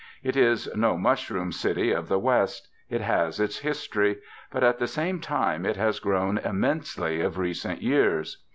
It is no mushroom city of the West, it has its history; but at the same time it has grown immensely of recent years.